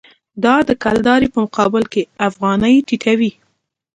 دا د کلدارې په مقابل کې افغانۍ ټیټوي.